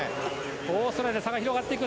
オーストラリアとの差が広がっていく。